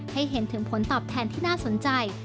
ให้เห็นถึงผลตอบแทนที่น่าสนใจ